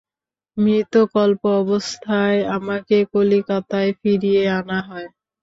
মৃতকল্প অবস্থায় আমাকে কলিকাতায় ফিরিয়ে আনা হয়।